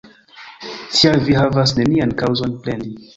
Tial vi havas nenian kaŭzon plendi.